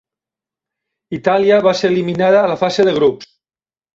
Itàlia va ser eliminada a la fase de grups.